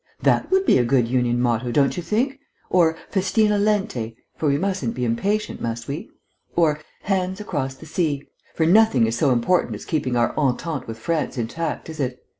... That would be a good Union motto, don't you think? Or 'Festina lente' for we mustn't be impatient, must we? Or, 'Hands across the sea!' For nothing is so important as keeping our entente with France intact, is it....